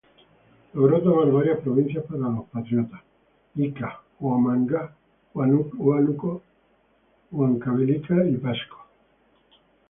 Logró tomar varias provincias para los patriotas: Ica, Huamanga, Huánuco, Huancavelica y Pasco.